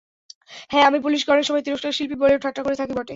হ্যাঁ, আমি পুলিশকে অনেক সময় তিরস্কার শিল্পী বলেও ঠাট্টা করে থাকি বটে।